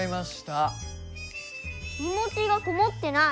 気持ちがこもってない。